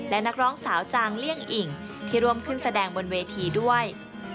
และนักร้องสาวจางเลี่ยงอิ่งที่ร่วมขึ้นแสดงบนเวทีด้วย